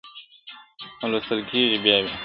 او لوستل کيږي بيا بيا.